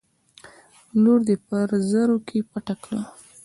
لور دې په زرو کې پټه کړه.